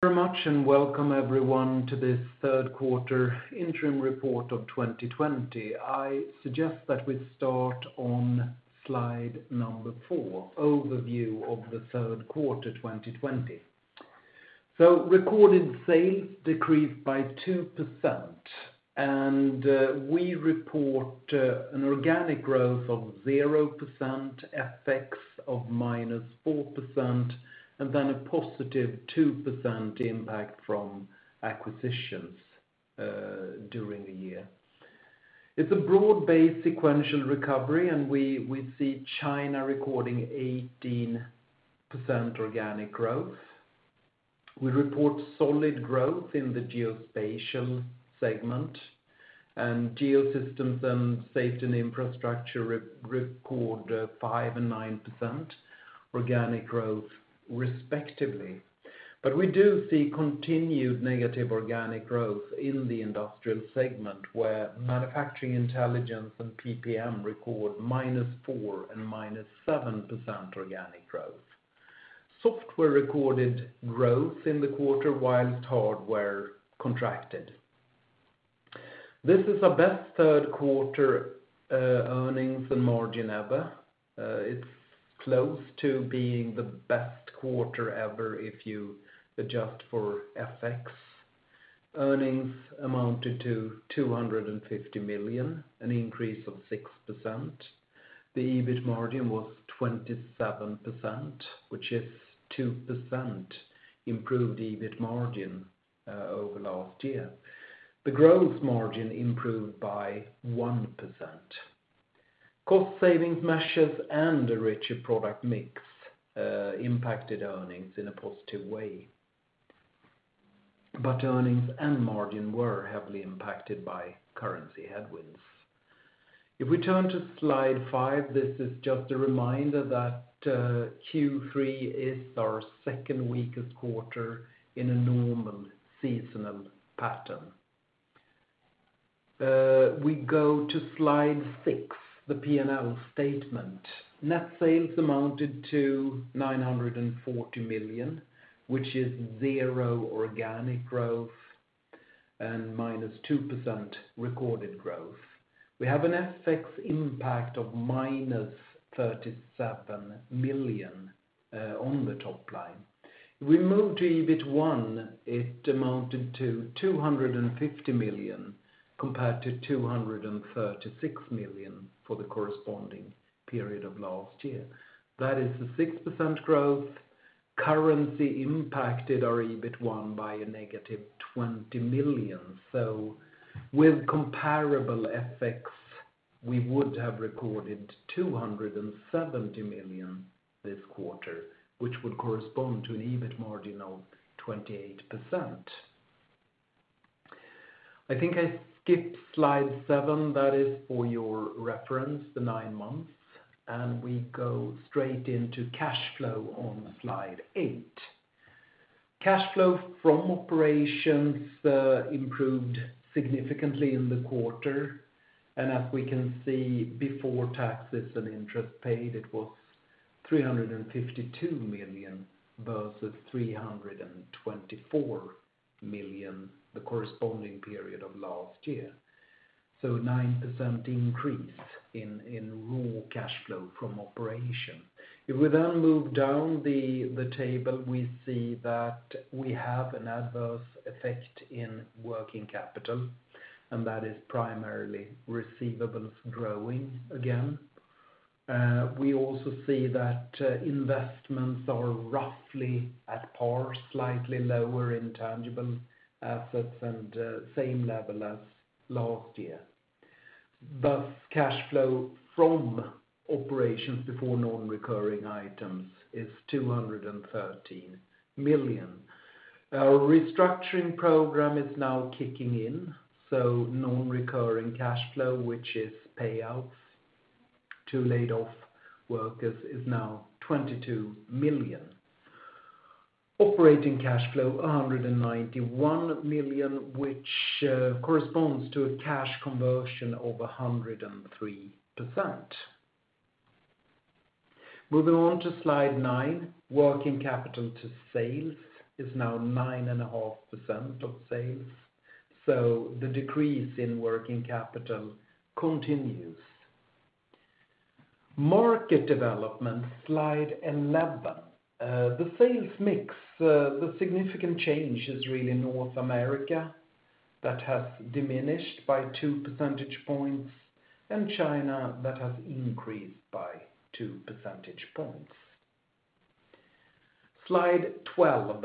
Very much, welcome everyone to this Q3 interim report of 2020. I suggest that we start on slide number four, overview of the Q3 2020. Recorded sales decreased by 2%, and we report an organic growth of 0%, FX of -4%, and then a positive 2% impact from acquisitions during the year. It's a broad-based sequential recovery, and we see China recording 18% organic growth. We report solid growth in the Geospatial segment, and Geosystems and Safety & Infrastructure record 5% and 9% organic growth respectively. We do see continued negative organic growth in the Industrial segment, where Manufacturing Intelligence and PPM record -4% and -7% organic growth. Software recorded growth in the quarter, whilst hardware contracted. This is our best Q3 earnings and margin ever. It's close to being the best quarter ever if you adjust for FX. Earnings amounted to 250 million, an increase of 6%. The EBIT margin was 27%, which is 2% improved EBIT margin over last year. The growth margin improved by 1%. Cost savings measures and a richer product mix impacted earnings in a positive way. Earnings and margin were heavily impacted by currency headwinds. If we turn to slide five, this is just a reminder that Q3 is our second weakest quarter in a normal seasonal pattern. We go to slide six, the P&L statement. Net sales amounted to 940 million, which is zero organic growth and -2% recorded growth. We have an FX impact of -37 million on the top line. If we move to EBIT1, it amounted to 250 million compared to 236 million for the corresponding period of last year. That is a 6% growth. Currency impacted our EBIT1 by a -20 million. With comparable FX, we would have recorded 270 million this quarter, which would correspond to an EBIT margin of 28%. I think I skipped slide seven. That is for your reference, the nine months, and we go straight into cash flow on slide eight. Cash flow from operations improved significantly in the quarter, and as we can see, before taxes and interest paid, it was 352 million versus 324 million the corresponding period of last year. 9% increase in raw cash flow from operation. We then move down the table, we see that we have an adverse effect in working capital, and that is primarily receivables growing again. We also see that investments are roughly at par, slightly lower in tangible assets, and same level as last year. Cash flow from operations before non-recurring items is 213 million. Our restructuring program is now kicking in, so non-recurring cash flow, which is payouts to laid-off workers, is now 22 million. Operating cash flow, 191 million, which corresponds to a cash conversion of 103%. Moving on to slide nine, working capital to sales is now 9.5% of sales, so the decrease in working capital continues. Market development, slide 11. The sales mix, the significant change is really North America that has diminished by two percentage points, and China that has increased by two percentage points. Slide 12.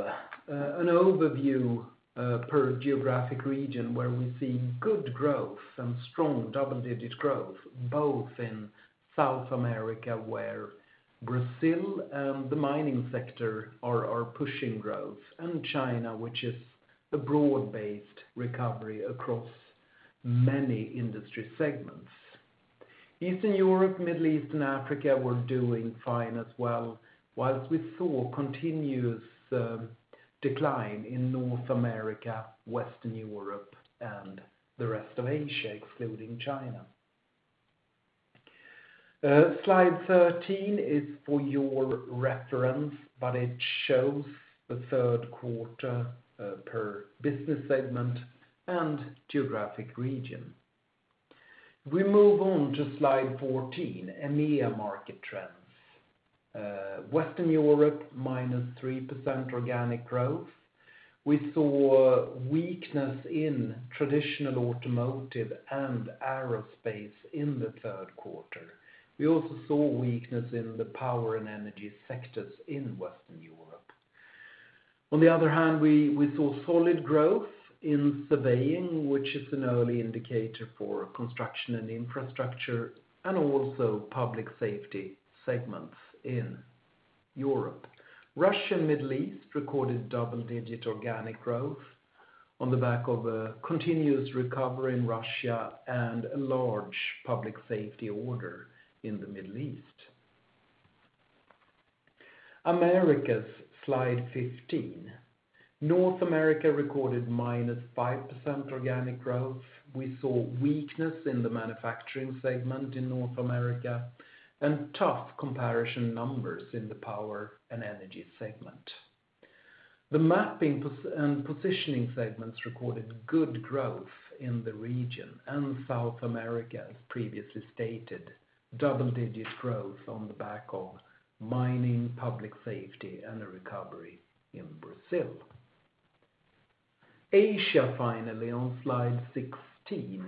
An overview per geographic region where we see good growth and strong double-digit growth, both in South America, where Brazil and the mining sector are pushing growth, and China, which is a broad-based recovery across many industry segments. Eastern Europe, Middle East, and Africa were doing fine as well, whilst we saw continuous decline in North America, Western Europe, and the rest of Asia, excluding China. Slide 13 is for your reference, it shows the Q3 per business segment and geographic region. We move on to slide 14, EMEA market trends. Western Europe, -3% organic growth. We saw weakness in traditional automotive and aerospace in the Q3. We also saw weakness in the power and energy sectors in Western Europe. On the other hand, we saw solid growth in surveying, which is an early indicator for construction and infrastructure, and also public safety segments in Europe. Russia and Middle East recorded double-digit organic growth on the back of a continuous recovery in Russia and a large public safety order in the Middle East. Americas, slide 15. North America recorded -5% organic growth. We saw weakness in the manufacturing segment in North America and tough comparison numbers in the power and energy segment. The mapping and positioning segments recorded good growth in the region, and South America, as previously stated, double-digit growth on the back of mining, public safety, and a recovery in Brazil. Asia, finally, on slide 16.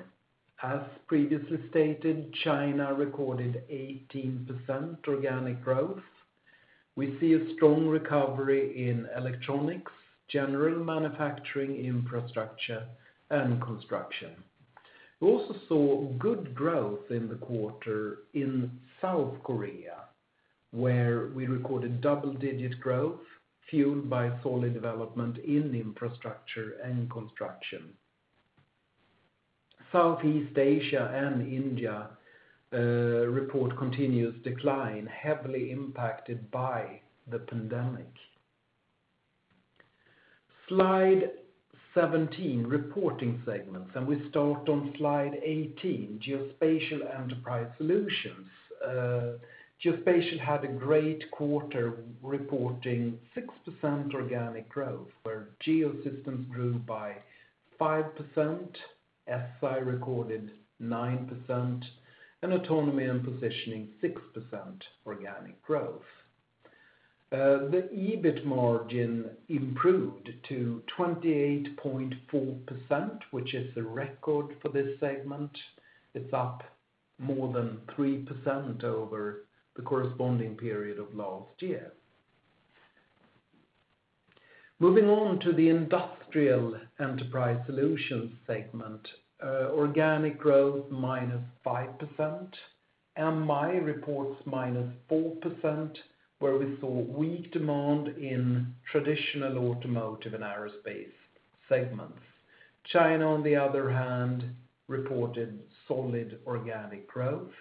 As previously stated, China recorded 18% organic growth. We see a strong recovery in electronics, general manufacturing, infrastructure, and construction. We also saw good growth in the quarter in South Korea, where we recorded double-digit growth fueled by solid development in infrastructure and construction. Southeast Asia and India report continuous decline, heavily impacted by the pandemic. Slide 17, reporting segments, and we start on slide 18, Geospatial Enterprise Solutions. Geospatial had a great quarter, reporting 6% organic growth, where Geosystems grew by 5%, SI recorded 9%, and Autonomy & Positioning 6% organic growth. The EBIT margin improved to 28.4%, which is a record for this segment. It's up more than 3% over the corresponding period of last year. Moving on to the Industrial Enterprise Solutions segment. Organic growth, minus 5%. MI reports minus 4%, where we saw weak demand in traditional automotive and aerospace segments. China, on the other hand, reported solid organic growth,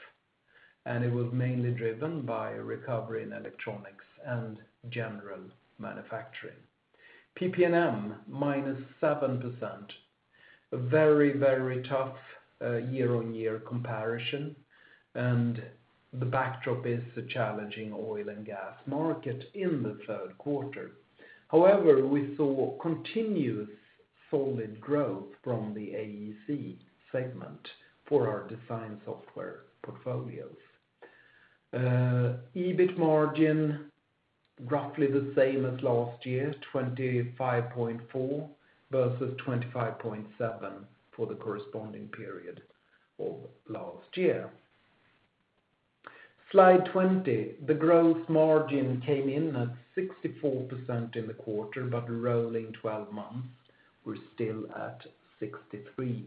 and it was mainly driven by a recovery in electronics and general manufacturing. PP&M, minus 7%. A very, very tough year-on-year comparison, and the backdrop is the challenging oil and gas market in the Q3. However, we saw continuous solid growth from the AEC segment for our design software portfolios. EBIT margin, roughly the same as last year, 25.4% versus 25.7% for the corresponding period of last year. Slide 20. The growth margin came in at 64% in the quarter, but rolling 12 months, we're still at 63%.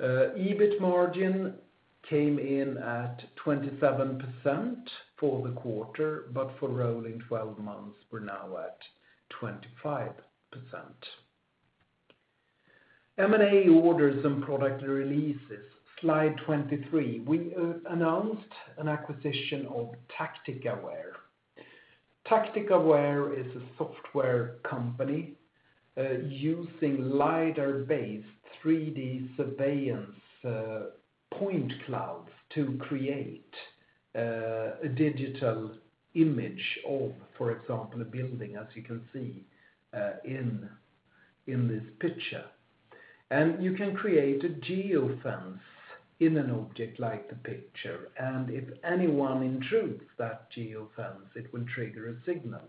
EBIT margin came in at 27% for the quarter, but for rolling 12 months, we're now at 25%. M&A orders and product releases. Slide 23. We announced an acquisition of TACTICAWARE. TACTICAWARE is a software company using lidar-based 3D surveillance point clouds to create a digital image of, for example, a building, as you can see in this picture. You can create a geofence in an object like the picture, and if anyone intrudes that geofence, it will trigger a signal.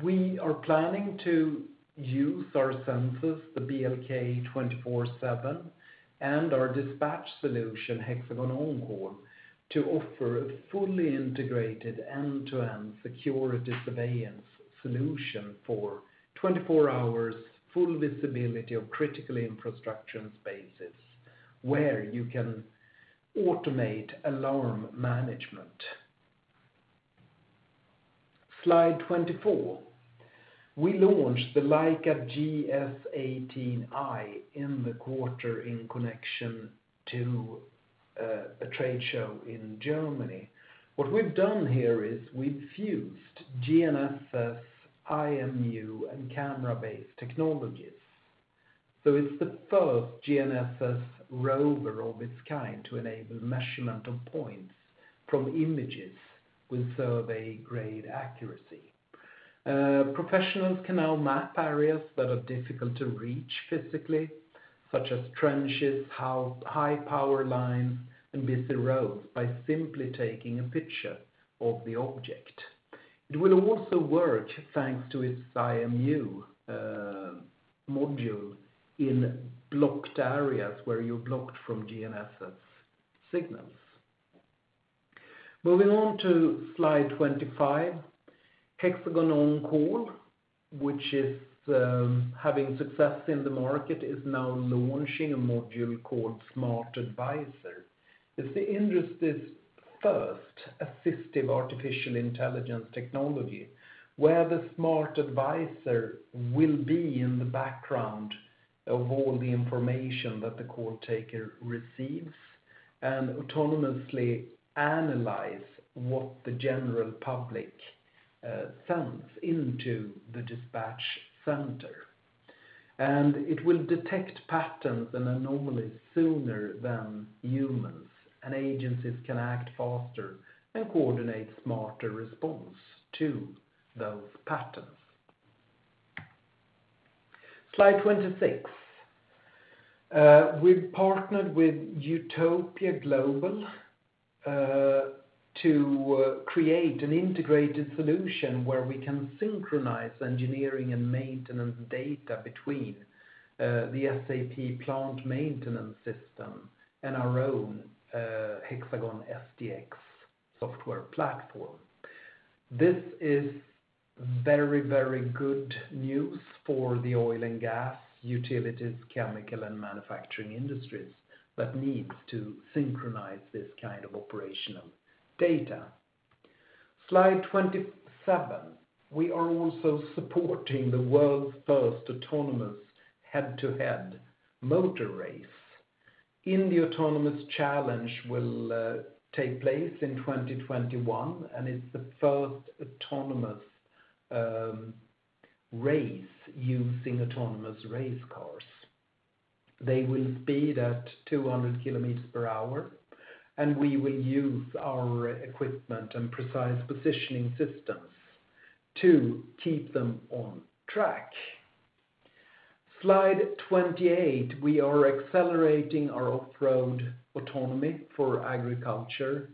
We are planning to use our sensors, the BLK247, and our dispatch solution, HxGN OnCall, to offer a fully integrated end-to-end secure surveillance solution for 24-hour full visibility of critical infrastructure and spaces where you can automate alarm management. Slide 24. We launched the Leica GS18 I in the quarter in connection to a trade show in Germany. What we've done here is we've fused GNSS, IMU, and camera-based technologies. It's the first GNSS rover of its kind to enable measurement of points from images with survey-grade accuracy. Professionals can now map areas that are difficult to reach physically, such as trenches, high power lines, and busy roads by simply taking a picture of the object. It will also work, thanks to its IMU module, in blocked areas where you're blocked from GNSS signals. Moving on to slide 25. HxGN OnCall, which is having success in the market, is now launching a module called Smart Advisor. It's the industry's first assistive artificial intelligence technology, where the Smart Advisor will be in the background of all the information that the call taker receives and autonomously analyze what the general public sends into the dispatch center. It will detect patterns and anomalies sooner than humans, and agencies can act faster and coordinate smarter response to those patterns. Slide 26. We've partnered with Utopia Global, to create an integrated solution where we can synchronize engineering and maintenance data between the SAP plant maintenance system and our own Hexagon SDx software platform. This is very good news for the oil and gas, utilities, chemical, and manufacturing industries that needs to synchronize this kind of operational data. Slide 27. We are also supporting the world's first autonomous head-to-head motor race. Indy Autonomous Challenge will take place in 2021, and it's the first autonomous race using autonomous race cars. They will speed at 200 kilometers per hour, and we will use our equipment and precise positioning systems to keep them on track. Slide 28. We are accelerating our off-road autonomy for agriculture,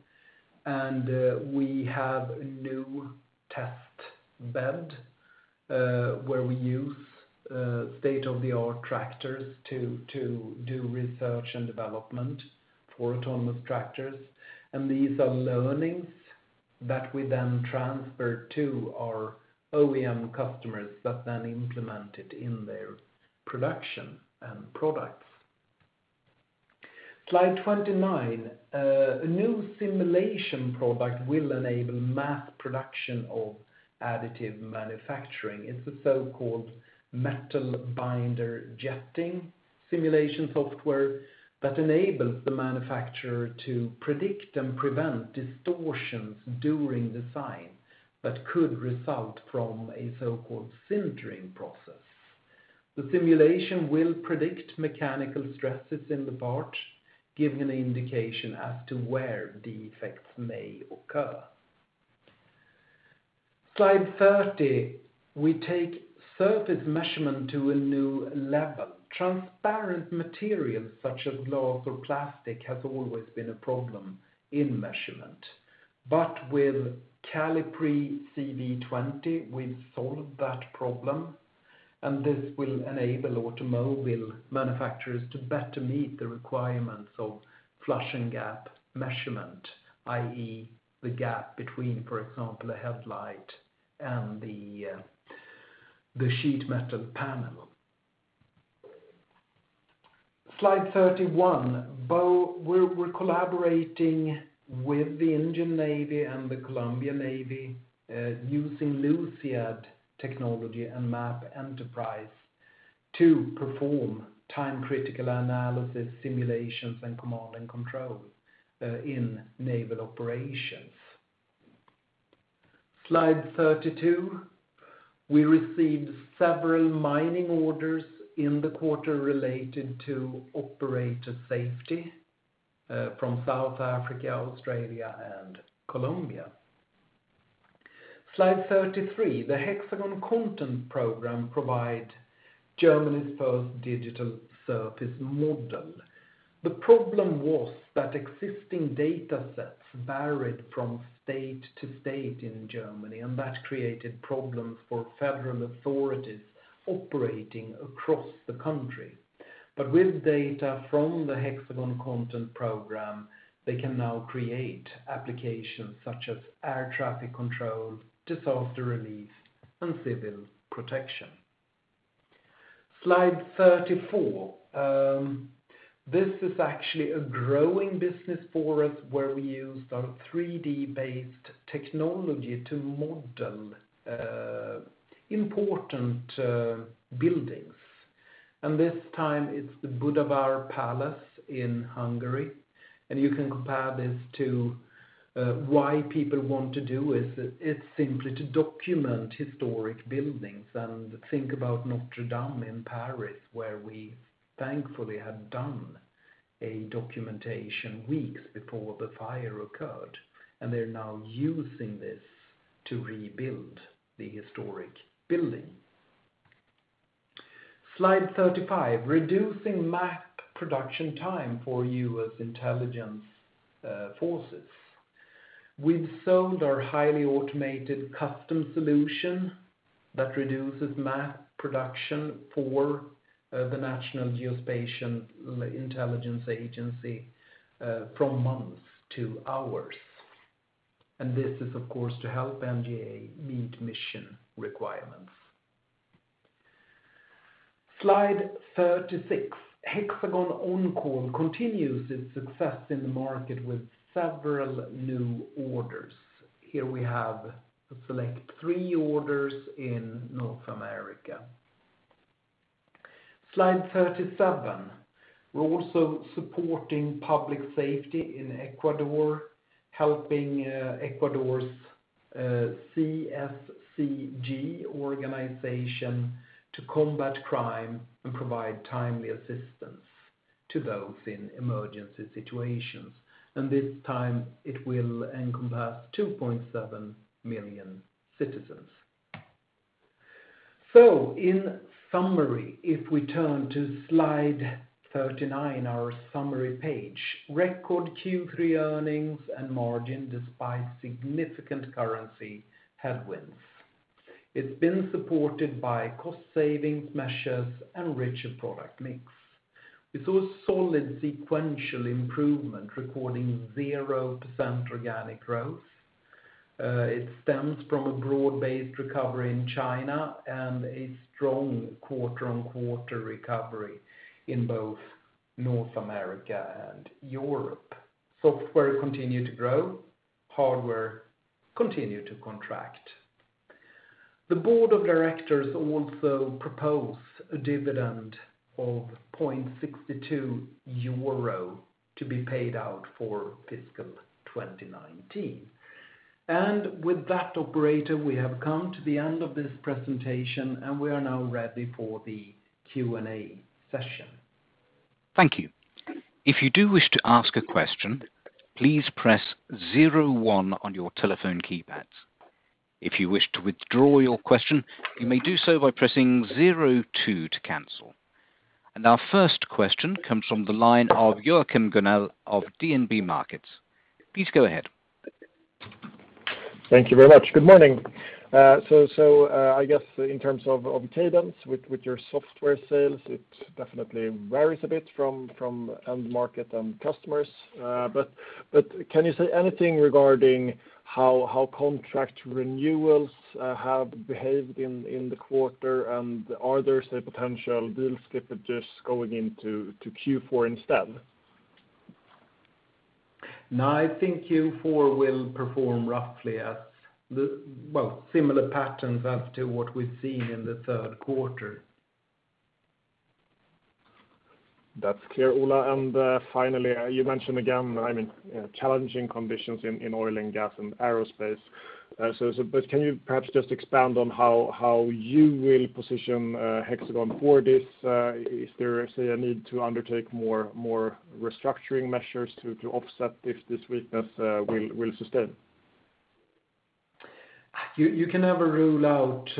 and we have a new test bed, where we use state-of-the-art tractors to do research and development for autonomous tractors. These are learnings that we then transfer to our OEM customers that then implement it in their production and products. Slide 29. A new simulation product will enable mass production of additive manufacturing. It's the so-called metal binder jetting simulation software that enables the manufacturer to predict and prevent distortions during design that could result from a so-called sintering process. The simulation will predict mechanical stresses in the part, giving an indication as to where defects may occur. Slide 30. We take surface measurement to a new level. Transparent materials such as glass or plastic has always been a problem in measurement. With CALIPRI CB20, we've solved that problem, and this will enable automobile manufacturers to better meet the requirements of flush and gap measurement, i.e. the gap between, for example, a headlight and the sheet metal panel. Slide 31. We're collaborating with the Indian Navy and the Colombian Navy, using Luciad technology and M.App Enterprise to perform time-critical analysis, simulations, and command and control, in naval operations. Slide 32. We received several mining orders in the quarter related to operator safety from South Africa, Australia, and Colombia. Slide 33. The HxGN Content Program provide Germany's first digital surface model. The problem was that existing data sets varied from state to state in Germany, and that created problems for federal authorities operating across the country. With data from the HxGN Content Program, they can now create applications such as air traffic control, disaster relief, and civil protection. Slide 34. This is actually a growing business for us where we use our 3D-based technology to model important buildings. This time it's the Budavári Palace in Hungary. You can compare this to why people want to do is simply to document historic buildings and think about Notre Dame in Paris, where we thankfully had done a documentation weeks before the fire occurred, and they're now using this to rebuild the historic building. Slide 35, reducing map production time for U.S. intelligence forces. We've sold our highly automated custom solution that reduces map production for the National Geospatial-Intelligence Agency, from months to hours. This is, of course, to help NGA meet mission requirements. Slide 36. HxGN OnCall continues its success in the market with several new orders. Here we have a select three orders in North America. Slide 37. We're also supporting public safety in Ecuador, helping Ecuador's CSCG organization to combat crime and provide timely assistance to those in emergency situations. This time it will encompass 2.7 million citizens. In summary, if we turn to slide 39, our summary page, record Q3 earnings and margin despite significant currency headwinds. It's been supported by cost savings measures and richer product mix. We saw a solid sequential improvement recording 0% organic growth. It stems from a broad-based recovery in China and a strong quarter-on-quarter recovery in both North America and Europe. Software continued to grow, hardware continued to contract. The board of directors also propose a dividend of 0.62 euro to be paid out for fiscal 2019. With that, operator, we have come to the end of this presentation, and we are now ready for the Q&A session. Thank you. If you do wish to ask a question, please press zero one on your telephone keypads. If you wish to withdraw your question, you may do so by pressing zero two to cancel. Our first question comes from the line of Joachim Gunell of DNB Markets. Please go ahead. Thank you very much. Good morning. I guess in terms of cadence with your software sales, it definitely varies a bit from end market and customers. Can you say anything regarding how contract renewals have behaved in the quarter? Are there, say, potential deals skipping, just going into Q4 instead? No, I think Q4 will perform roughly as similar patterns as to what we've seen in the Q3. That's clear, Ola. Finally, you mentioned again, challenging conditions in oil and gas and aerospace. Can you perhaps just expand on how you will position Hexagon for this? Is there, say, a need to undertake more restructuring measures to offset if this weakness will sustain? You can never rule out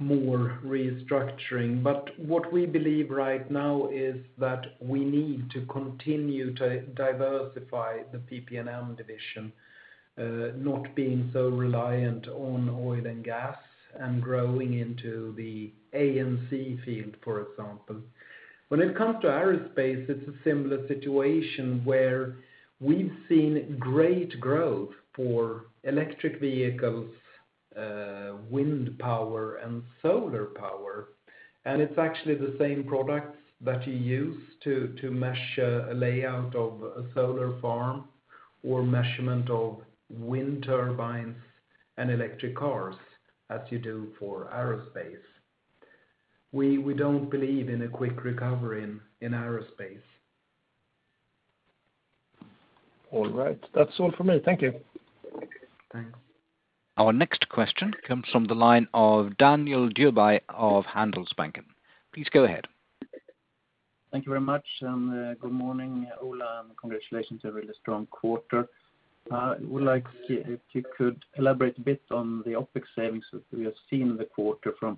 more restructuring, but what we believe right now is that we need to continue to diversify the PP&M division, not being so reliant on oil and gas and growing into the AEC field, for example. When it comes to aerospace, it's a similar situation where we've seen great growth for electric vehicles, wind power, and solar power, and it's actually the same products that you use to measure a layout of a solar farm or measurement of wind turbines and electric cars as you do for aerospace. We don't believe in a quick recovery in aerospace. All right. That's all from me. Thank you. Thanks. Our next question comes from the line of Daniel Djurberg of Handelsbanken. Please go ahead. Thank you very much, and good morning, Ola, and congratulations on a really strong quarter. I would like if you could elaborate a bit on the OpEx savings that we have seen in the quarter from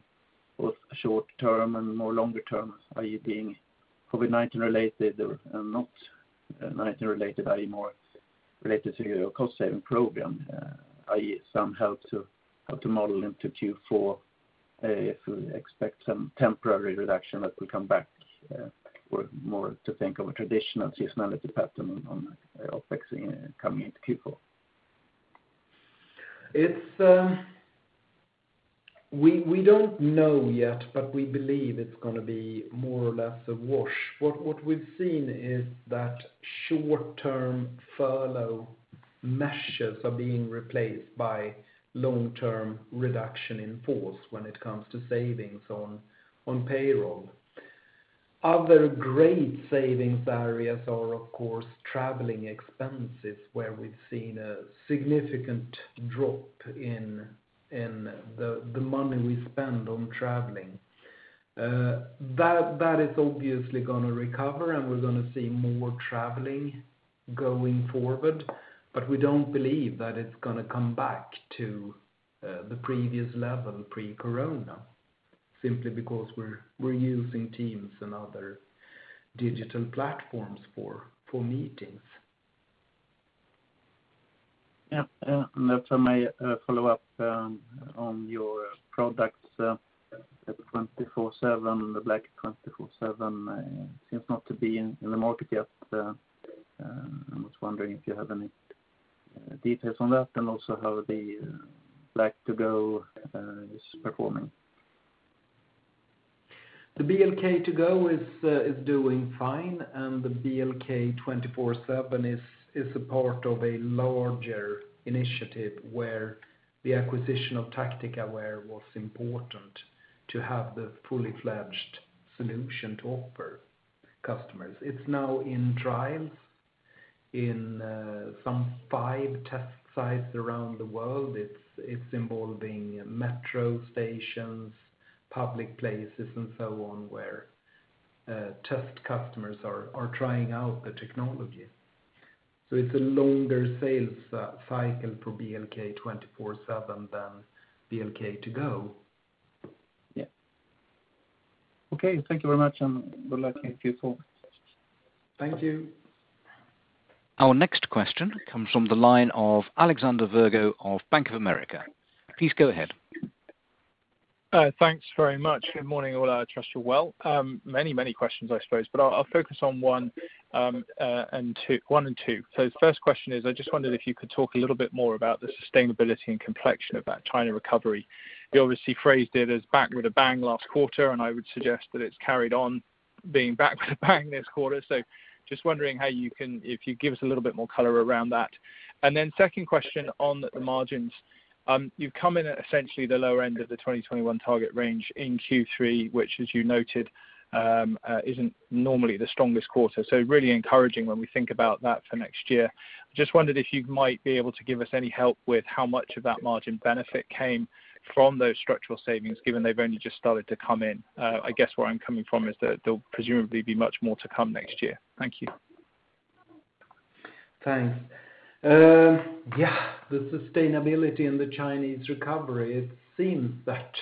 both a short term and more longer term, i.e., being COVID-19 related or not COVID-19 related, i.e., more related to your cost-saving program, i.e., some help to model into Q4 if we expect some temporary reduction that will come back, or more to think of a traditional seasonality pattern on OpEx coming into Q4. We don't know yet, we believe it's going to be more or less a wash. What we've seen is that short-term furlough measures are being replaced by long-term reduction in force when it comes to savings on payroll. Other great savings areas are, of course, traveling expenses, where we've seen a significant drop in the money we spend on traveling. That is obviously going to recover, and we're going to see more traveling going forward. We don't believe that it's going to come back to the previous level pre-corona, simply because we're using Teams and other digital platforms for meetings. Yeah. If I may follow up on your products, the BLK247 seems not to be in the market yet. I was wondering if you have any details on that, and also how the BLK2GO is performing. The BLK2GO is doing fine, and the BLK247 is a part of a larger initiative where the acquisition of TACTICAWARE was important to have the fully fledged solution to offer customers. It's now in trials in some five test sites around the world. It's involving metro stations, public places, and so on, where test customers are trying out the technology. It's a longer sales cycle for BLK247 than BLK2GO. Yeah. Okay. Thank you very much. Good luck in Q4. Thank you. Our next question comes from the line of Alexander Virgo of Bank of America. Please go ahead. Thanks very much. Good morning, Ola. I trust you're well. Many questions, I suppose, but I'll focus on one and two. The first question is, I just wondered if you could talk a little bit more about the sustainability and complexion of that China recovery. You obviously phrased it as back with a bang last quarter, and I would suggest that it's carried on being back with a bang this quarter. Just wondering if you give us a little bit more color around that. Second question on the margins. You've come in at essentially the lower end of the 2021 target range in Q3, which, as you noted, isn't normally the strongest quarter. Really encouraging when we think about that for next year. Wondered if you might be able to give us any help with how much of that margin benefit came from those structural savings, given they've only just started to come in. I guess where I'm coming from is that there'll presumably be much more to come next year. Thank you. Thanks. Yeah, the sustainability in the Chinese recovery, it seems that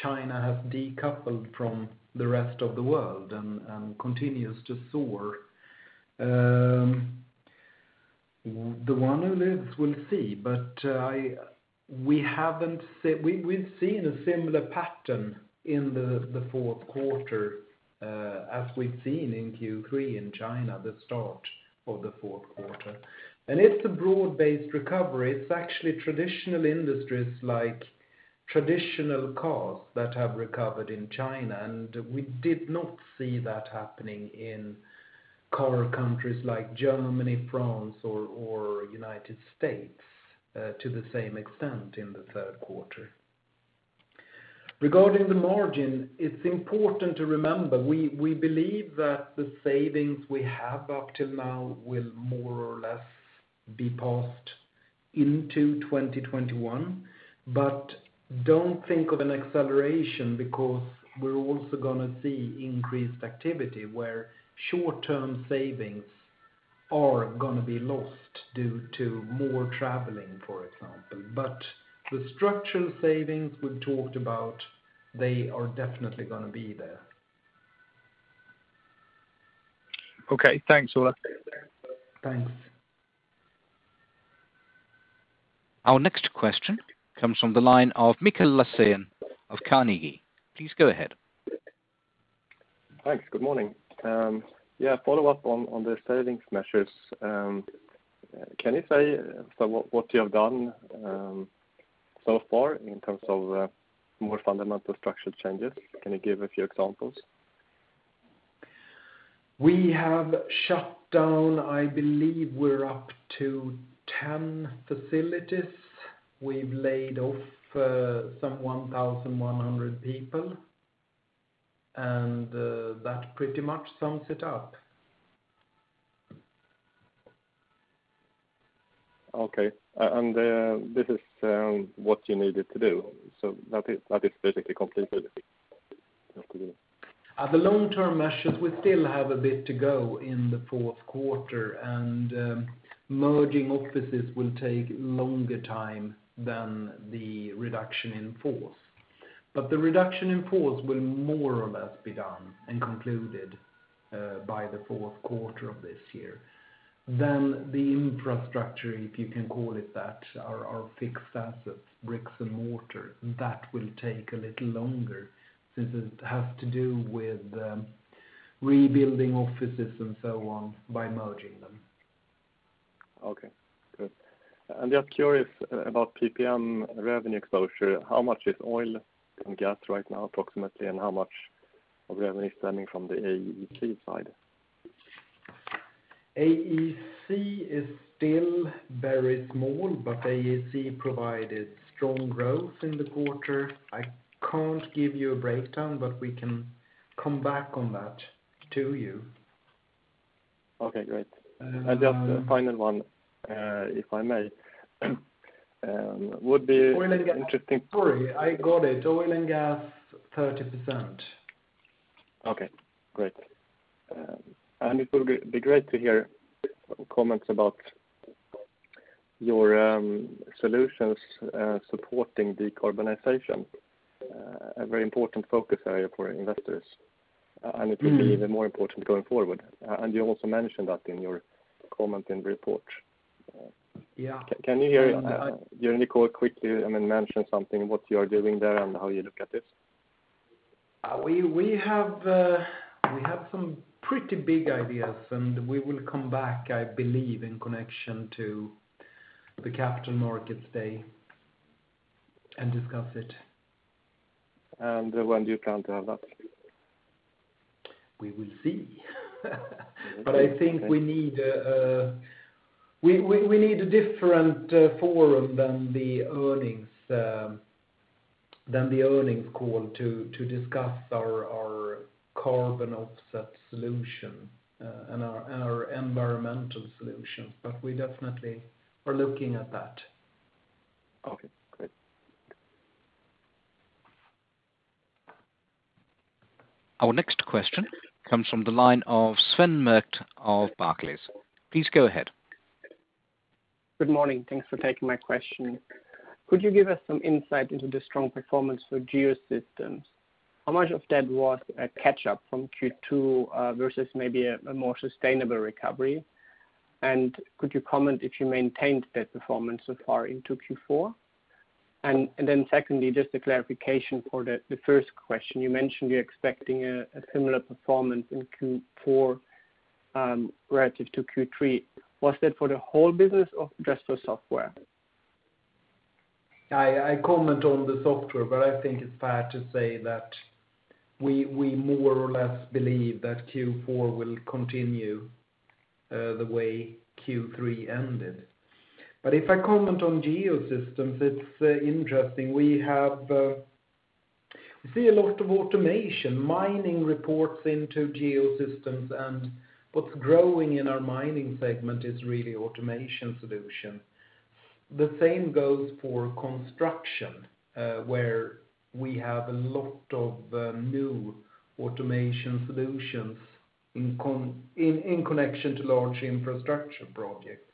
China has decoupled from the rest of the world and continues to soar. The one who lives will see, we've seen a similar pattern in the Q4 as we've seen in Q3 in China, the start of the Q4. It's a broad-based recovery. It's actually traditional industries like traditional cars that have recovered in China, we did not see that happening in core countries like Germany, France, or U.S. to the same extent in the Q3. Regarding the margin, it's important to remember, we believe that the savings we have up till now will more or less be passed into 2021. Don't think of an acceleration because we're also going to see increased activity where short-term savings are going to be lost due to more traveling, for example. The structural savings we've talked about, they are definitely going to be there. Okay. Thanks, Ola. Thanks. Our next question comes from the line of Mikael Laséen of Carnegie. Please go ahead. Thanks. Good morning. Yeah, follow up on the savings measures. Can you say what you have done so far in terms of more fundamental structural changes? Can you give a few examples? We have shut down, I believe we're up to 10 facilities. We've laid off some 1,100 people. That pretty much sums it up. Okay. This is what you needed to do. That is basically completed? The long-term measures, we still have a bit to go in the Q4. Merging offices will take longer time than the reduction in force. The reduction in force will more or less be done and concluded by the Q4 of this year. The infrastructure, if you can call it that, our fixed assets, bricks and mortar, that will take a little longer since it has to do with rebuilding offices and so on by merging them. Okay, good. Just curious about PPM revenue exposure. How much is oil and gas right now, approximately, and how much of revenue stemming from the AEC side? AEC is still very small, but AEC provided strong growth in the quarter. I can't give you a breakdown, but we can come back on that to you. Okay, great. Um- Just a final one, if I may. Oil and gas. Sorry, I got it. Oil and gas, 30%. Okay, great. It would be great to hear comments about your solutions supporting decarbonization, a very important focus area for investors. It will be even more important going forward. You also mentioned that in your comment in report. Yeah. Can you during the call quickly mention something, what you are doing there and how you look at it? We have some pretty big ideas, and we will come back, I believe, in connection to the Capital Markets Day and discuss it. When do you plan to have that? We will see. I think we need a different forum than the earnings call to discuss our carbon offset solution and our environmental solutions. We definitely are looking at that. Okay, great. Our next question comes from the line of Sven Merkt of Barclays. Please go ahead. Good morning. Thanks for taking my question. Could you give us some insight into the strong performance for Geosystems? How much of that was a catch-up from Q2 versus maybe a more sustainable recovery? Could you comment if you maintained that performance so far into Q4? Secondly, just a clarification for the first question. You mentioned you're expecting a similar performance in Q4, relative to Q3. Was that for the whole business or just for software? I comment on the software, but I think it's fair to say that we more or less believe that Q4 will continue the way Q3 ended. If I comment on Geosystems, it's interesting. We see a lot of automation, mining reports into Geosystems, and what's growing in our mining segment is really automation solution. The same goes for construction, where we have a lot of new automation solutions in connection to large infrastructure projects,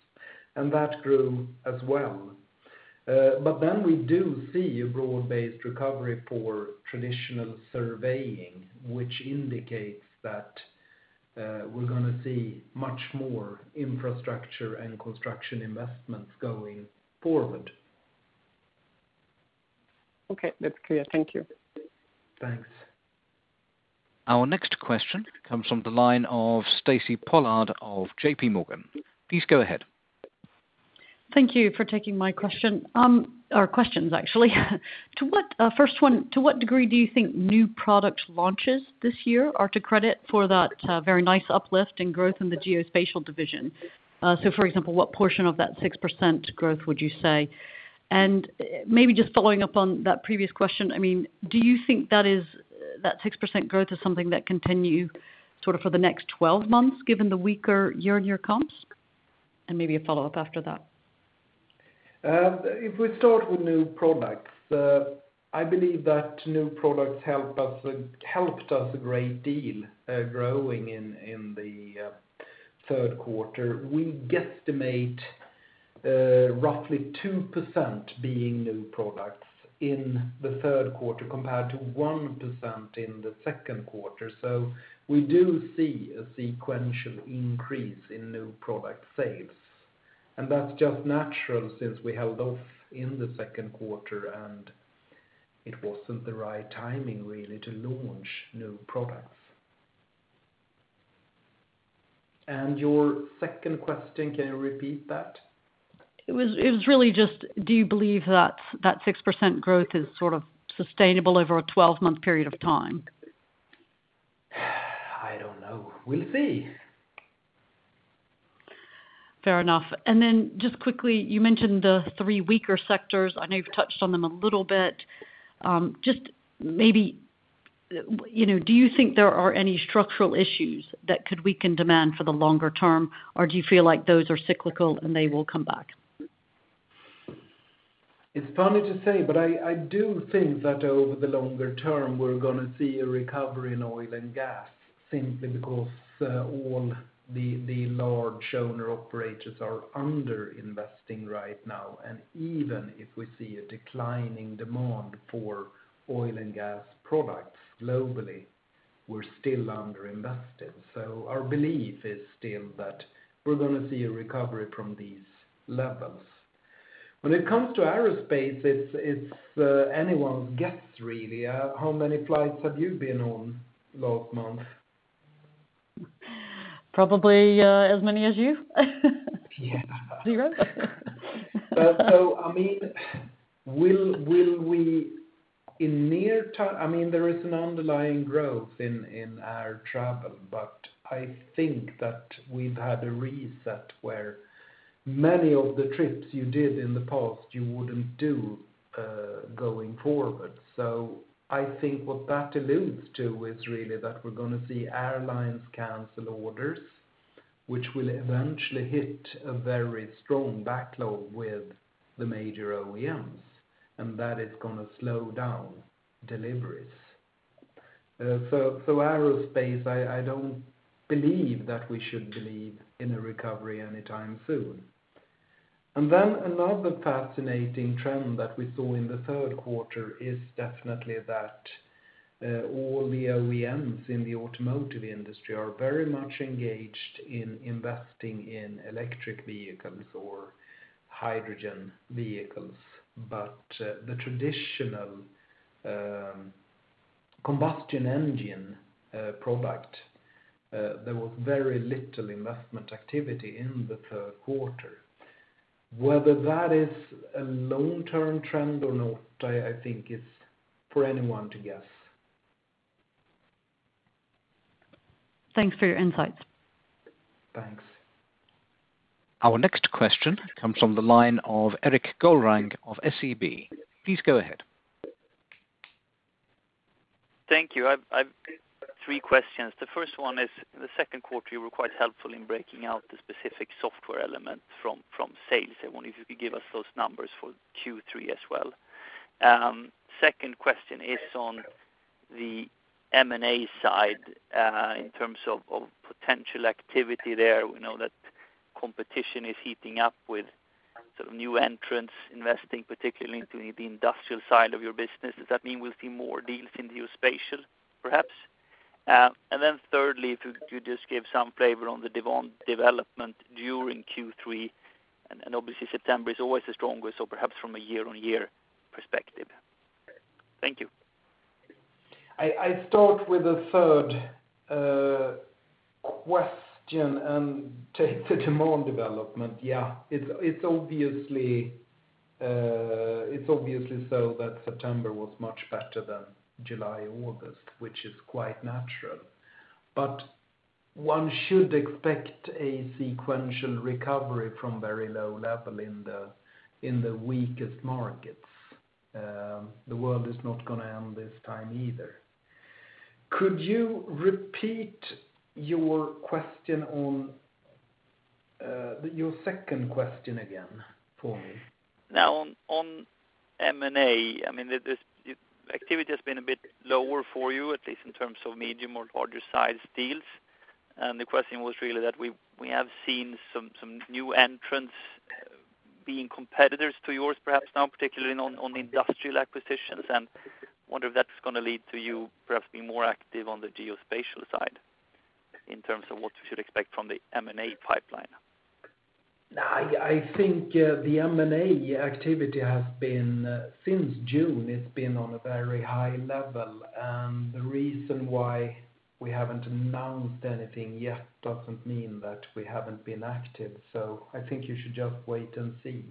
and that grew as well. We do see a broad-based recovery for traditional surveying, which indicates that we're going to see much more infrastructure and construction investments going forward. Okay, that's clear. Thank you. Thanks. Our next question comes from the line of Stacy Pollard of J.P. Morgan. Please go ahead. Thank you for taking my question, or questions actually. First one, to what degree do you think new product launches this year are to credit for that very nice uplift in growth in the Geospatial division? For example, what portion of that 6% growth would you say? Maybe just following up on that previous question, do you think that 6% growth is something that continue for the next 12 months, given the weaker year-on-year comps? Maybe a follow-up after that. If we start with new products, I believe that new products helped us a great deal growing in the Q3. We guesstimate roughly 2% being new products in the Q3 compared to 1% in the Q2. We do see a sequential increase in new product sales, and that's just natural since we held off in the Q2, and it wasn't the right timing, really, to launch new products. Your second question, can you repeat that? It was really just, do you believe that 6% growth is sustainable over a 12-month period of time? I don't know. We'll see. Fair enough. Just quickly, you mentioned the three weaker sectors. I know you've touched on them a little bit. Just maybe, do you think there are any structural issues that could weaken demand for the longer term, or do you feel like those are cyclical and they will come back? It's funny to say, I do think that over the longer term, we're going to see a recovery in oil and gas, simply because all the large owner operators are under-investing right now, and even if we see a decline in demand for oil and gas products globally, we're still under-invested. Our belief is still that we're going to see a recovery from these levels. When it comes to aerospace, it's anyone's guess, really. How many flights have you been on last month? Probably as many as you. Yeah. Zero. There is an underlying growth in our travel, but I think that we've had a reset where many of the trips you did in the past, you wouldn't do going forward. I think what that alludes to is really that we're going to see airlines cancel orders, which will eventually hit a very strong backlog with the major OEMs, and that is going to slow down deliveries. Then another fascinating trend that we saw in the Q3 is definitely that all the OEMs in the automotive industry are very much engaged in investing in electric vehicles or hydrogen vehicles. The traditional combustion engine product, there was very little investment activity in the Q3. Whether that is a long-term trend or not, I think it's for anyone to guess. Thanks for your insights. Thanks. Our next question comes from the line of Erik Golrang of SEB. Please go ahead. Thank you. I've three questions. The first one is, in the Q2, you were quite helpful in breaking out the specific software element from sales. I wonder if you could give us those numbers for Q3 as well. Second question is on the M&A side, in terms of potential activity there. We know that competition is heating up with new entrants investing, particularly into the industrial side of your business. Does that mean we'll see more deals in geospatial, perhaps? Thirdly, if you could just give some flavor on the demand development during Q3, and obviously September is always the strongest, so perhaps from a year-on-year perspective. Thank you. I start with the third question and take the demand development. Yeah, it is obviously so that September was much better than July, August, which is quite natural. One should expect a sequential recovery from very low level in the weakest markets. The world is not going to end this time either. Could you repeat your second question again for me? On M&A, the activity has been a bit lower for you, at least in terms of medium or larger size deals. The question was really that we have seen some new entrants being competitors to yours, perhaps now particularly on the industrial acquisitions, and wonder if that's going to lead to you perhaps being more active on the geospatial side in terms of what we should expect from the M&A pipeline. I think the M&A activity since June has been on a very high level, and the reason why we haven't announced anything yet doesn't mean that we haven't been active. I think you should just wait and see.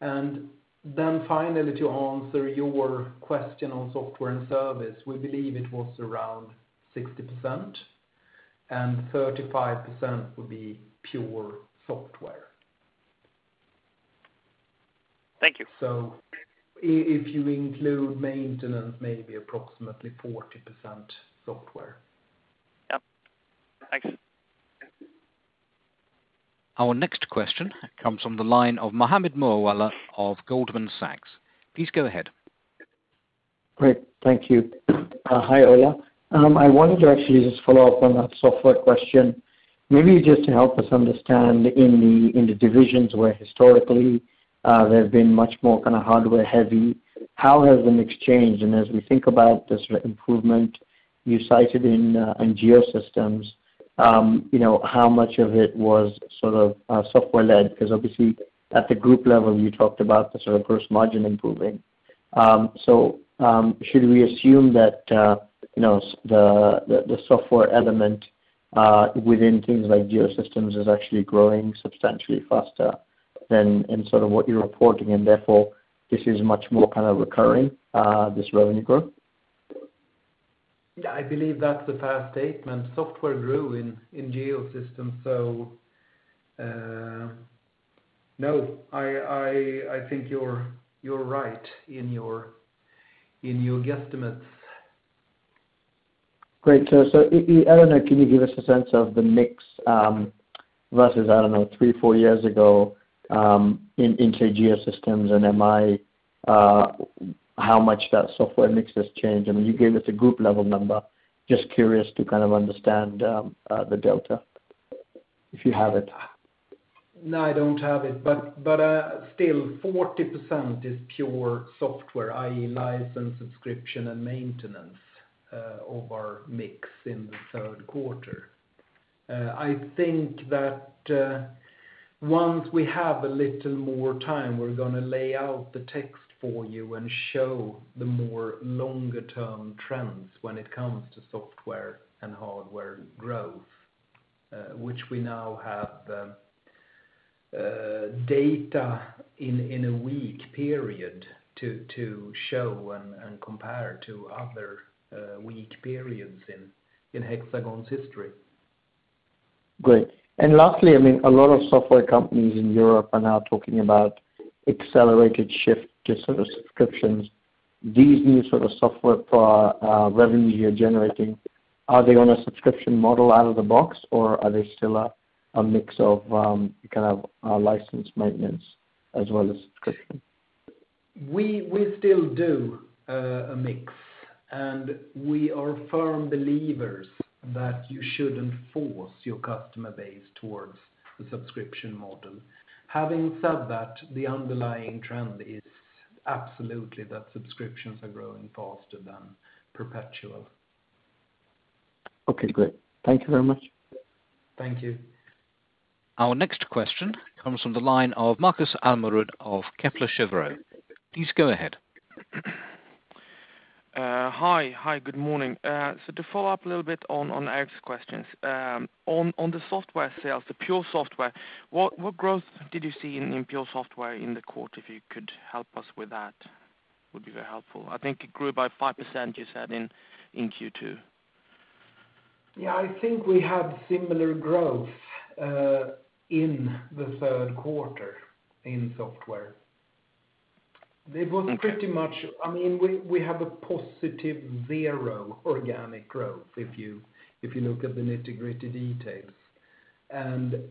Finally, to answer your question on software and service, we believe it was around 60%, and 35% would be pure software. Thank you. If you include maintenance, maybe approximately 40% software. Yep. Thanks. Our next question comes from the line of Mohammed Moawalla of Goldman Sachs. Please go ahead. Great. Thank you. Hi, Ola. I wanted to actually just follow up on that software question. Maybe just to help us understand in the divisions where historically there's been much more hardware heavy, how has it changed? As we think about the sort of improvement you cited in Geosystems, how much of it was software led? Because obviously at the group level, you talked about the sort of gross margin improving. Should we assume that the software element within things like Geosystems is actually growing substantially faster than in sort of what you're reporting, and therefore this is much more recurring, this revenue growth? I believe that's a fair statement. Software grew in Geosystems, so no, I think you're right in your guesstimates. Great. I don't know, can you give us a sense of the mix versus, I don't know, three, four years ago into Geosystems and MI, how much that software mix has changed? I mean, you gave us a group level number. Just curious to understand the delta, if you have it. No, I don't have it. Still, 40% is pure software, i.e., license, subscription, and maintenance of our mix in the Q3. I think that once we have a little more time, we're going to lay out the text for you and show the more longer term trends when it comes to software and hardware growth, which we now have data in a weak period to show and compare to other weak periods in Hexagon's history. Great. Lastly, a lot of software companies in Europe are now talking about accelerated shift to service subscriptions. These new software for revenue you're generating, are they on a subscription model out of the box or are they still a mix of license maintenance as well as subscription? We still do a mix, and we are firm believers that you shouldn't force your customer base towards the subscription model. Having said that, the underlying trend is absolutely that subscriptions are growing faster than perpetual. Okay, great. Thank you very much. Thank you. Our next question comes from the line of Markus Almerud of Kepler Cheuvreux. Please go ahead. Hi, good morning. To follow up a little bit on Erik's questions. On the software sales, the pure software, what growth did you see in pure software in the quarter? If you could help us with that, would be very helpful. I think it grew by 5%, you said, in Q2. Yeah, I think we had similar growth in the Q3 in software. Okay. We have a positive zero organic growth if you look at the nitty-gritty details.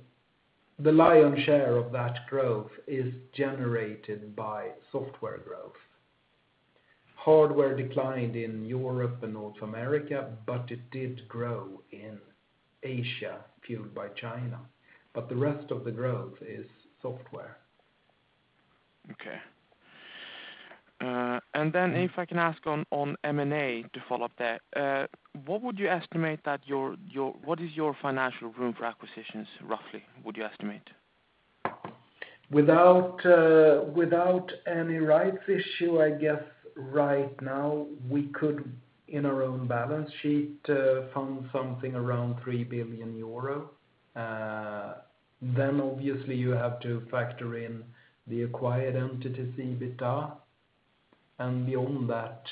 The lion's share of that growth is generated by software growth. Hardware declined in Europe and North America, but it did grow in Asia, fueled by China. The rest of the growth is software. Okay. If I can ask on M&A to follow up there, what is your financial room for acquisitions, roughly, would you estimate? Without any rights issue, I guess right now we could, in our own balance sheet, fund something around 3 billion euro. Obviously you have to factor in the acquired entity's EBITDA. Beyond that,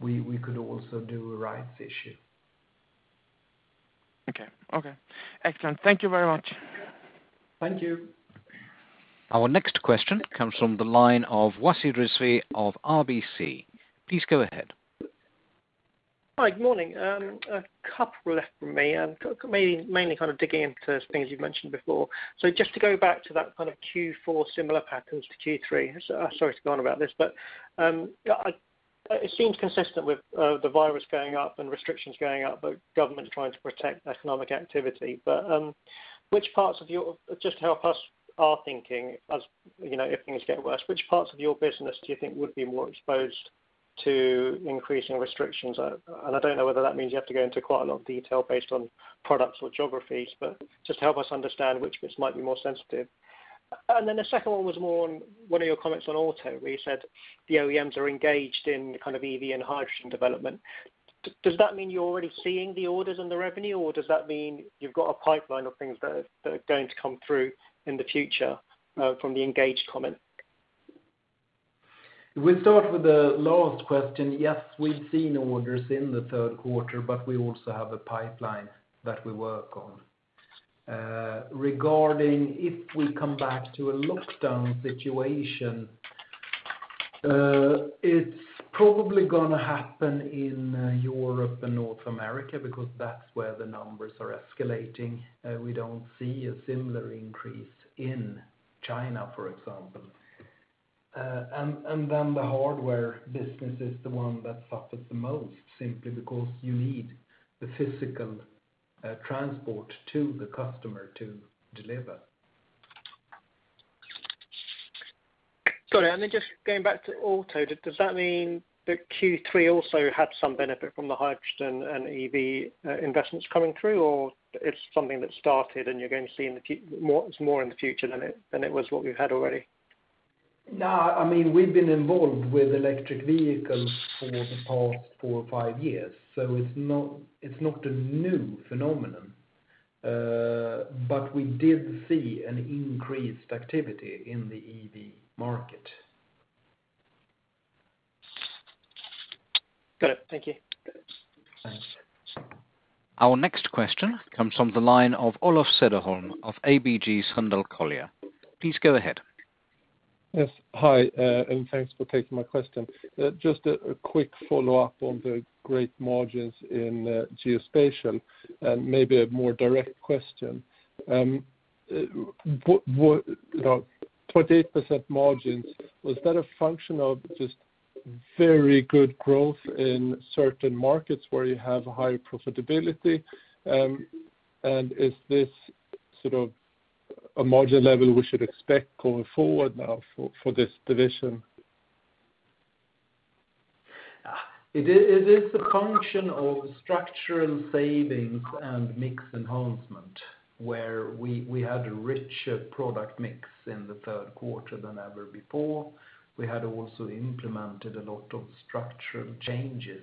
we could also do a rights issue. Okay. Excellent. Thank you very much. Thank you. Our next question comes from the line of Wasi Rizvi of RBC. Please go ahead. Hi, good morning. A couple left from me, mainly kind of digging into things you've mentioned before. Just to go back to that kind of Q4 similar patterns to Q3. Sorry to go on about this, but it seems consistent with the virus going up and restrictions going up, but governments trying to protect economic activity. Just to help us, our thinking, as if things get worse, which parts of your business do you think would be more exposed to increasing restrictions? I don't know whether that means you have to go into quite a lot of detail based on products or geographies, but just help us understand which bits might be more sensitive. Then the second one was more on one of your comments on auto, where you said the OEMs are engaged in EV and hydrogen development. Does that mean you're already seeing the orders and the revenue, or does that mean you've got a pipeline of things that are going to come through in the future from the engaged comment? We'll start with the last question. Yes, we've seen orders in the Q3, but we also have a pipeline that we work on. Regarding if we come back to a lockdown situation, it's probably going to happen in Europe and North America because that's where the numbers are escalating. We don't see a similar increase in China, for example. The hardware business is the one that suffers the most, simply because you need the physical transport to the customer to deliver. Got it. Then just going back to auto, does that mean that Q3 also had some benefit from the hydrogen and EV investments coming through, or it's something that started and you're going to see more in the future than it was what we've had already? We've been involved with electric vehicles for the past four or five years, so it's not a new phenomenon. We did see an increased activity in the EV market. Got it. Thank you. Thanks. Our next question comes from the line of Olof Cederholm of ABG Sundal Collier. Please go ahead. Yes. Hi, and thanks for taking my question. Just a quick follow-up on the great margins in Geospatial, and maybe a more direct question. 28% margins, was that a function of just very good growth in certain markets where you have high profitability? Is this sort of a margin level we should expect going forward now for this division? It is a function of structural savings and mix enhancement, where we had a richer product mix in the Q3 than ever before. We had also implemented a lot of structural changes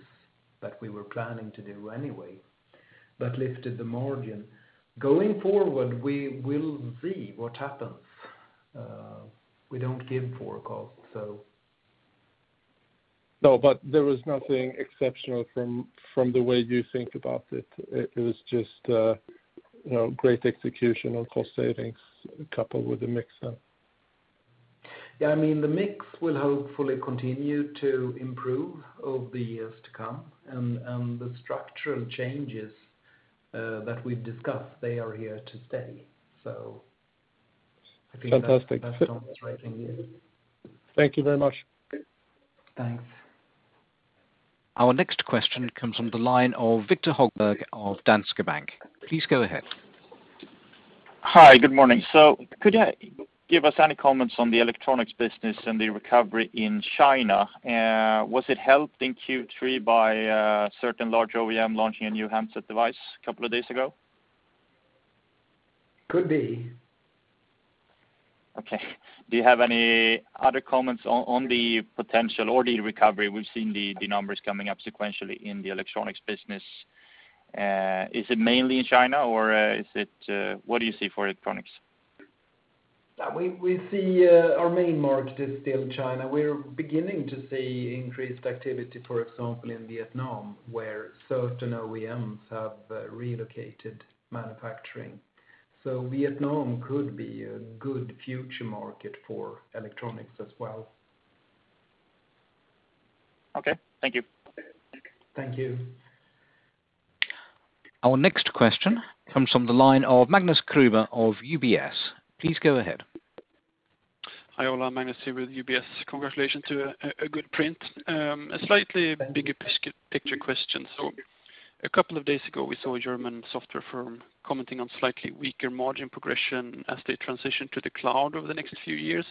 that we were planning to do anyway. That lifted the margin. Going forward, we will see what happens. We don't give forecasts, so. No, there was nothing exceptional from the way you think about it. It was just great execution on cost savings coupled with the mix then. Yeah. The mix will hopefully continue to improve over the years to come, and the structural changes that we've discussed, they are here to stay. I think that's. Fantastic All I'm saying, yeah. Thank you very much. Thanks. Our next question comes from the line of Viktor Högberg of Danske Bank. Please go ahead. Hi. Good morning. Could you give us any comments on the electronics business and the recovery in China? Was it helped in Q3 by a certain large OEM launching a new handset device a couple of days ago? Could be. Do you have any other comments on the potential or the recovery? We've seen the numbers coming up sequentially in the electronics business. Is it mainly in China or what do you see for electronics? Our main market is still China. We are beginning to see increased activity, for example, in Vietnam, where certain OEMs have relocated manufacturing. Vietnam could be a good future market for electronics as well. Okay. Thank you. Thank you. Our next question comes from the line of Magnus Kruber of UBS. Please go ahead. Hi, Ola. Magnus here with UBS. Congratulations to a good print. A slightly bigger picture question. A couple of days ago, we saw a German software firm commenting on slightly weaker margin progression as they transition to the cloud over the next few years.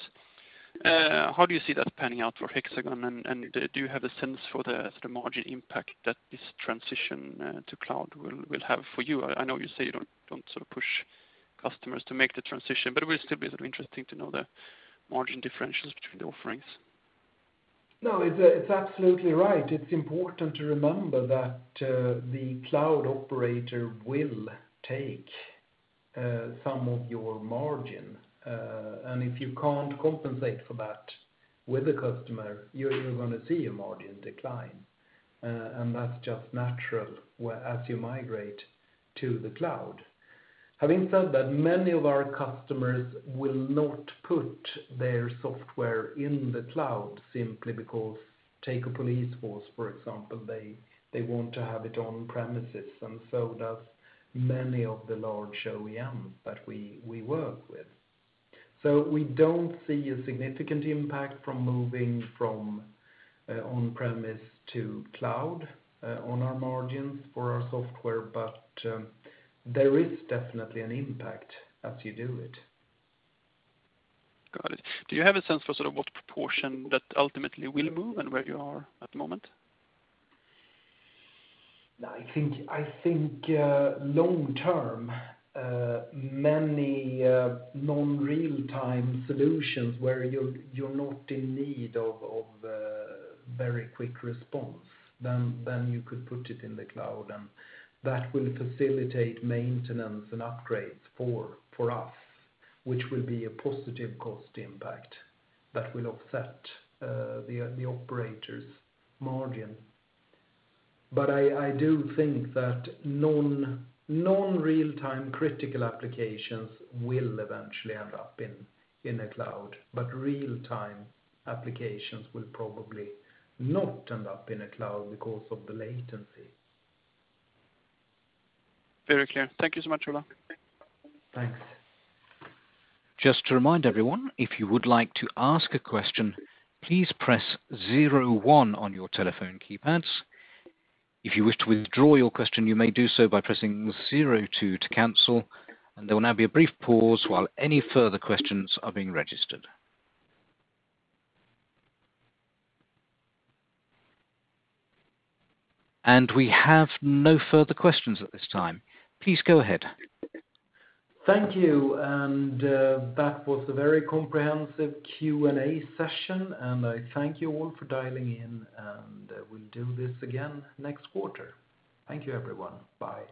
How do you see that panning out for Hexagon, and do you have a sense for the sort of margin impact that this transition to cloud will have for you? I know you say you don't sort of push customers to make the transition, it will still be sort of interesting to know the margin differentials between the offerings. No. It's absolutely right. It's important to remember that the cloud operator will take some of your margin, and if you can't compensate for that with the customer, you're going to see a margin decline. That's just natural as you migrate to the cloud. Having said that, many of our customers will not put their software in the cloud simply because, take a police force, for example, they want to have it on premises, and so does many of the large OEMs that we work with. We don't see a significant impact from moving from on-premise to cloud on our margins for our software. There is definitely an impact as you do it. Got it. Do you have a sense for sort of what proportion that ultimately will move and where you are at the moment? I think long term, many non-real-time solutions where you're not in need of very quick response, then you could put it in the cloud, and that will facilitate maintenance and upgrades for us, which will be a positive cost impact that will offset the operator's margin. I do think that non-real-time critical applications will eventually end up in the cloud. Real-time applications will probably not end up in a cloud because of the latency. Very clear. Thank you so much, Ola. Thanks. Just to remind everyone, if you would like to ask a question, please press zero one on your telephone keypads. If you wish to withdraw your question, you may do so by pressing zero two to cancel. There will now be a brief pause while any further questions are being registered. We have no further questions at this time. Please go ahead. Thank you. That was a very comprehensive Q&A session. I thank you all for dialing in. We'll do this again next quarter. Thank you, everyone. Bye.